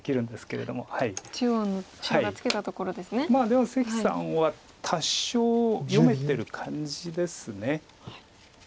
でも関さんは多少読めてる感じです。